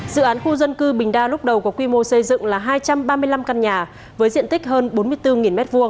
dự án khu dân cư bình đa lúc đầu có quy mô xây dựng là hai trăm ba mươi năm căn nhà với diện tích hơn bốn mươi bốn m hai